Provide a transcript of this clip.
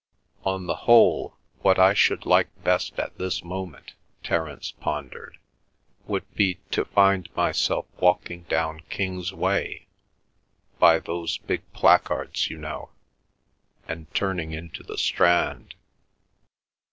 "On the whole, what I should like best at this moment," Terence pondered, "would be to find myself walking down Kingsway, by those big placards, you know, and turning into the Strand.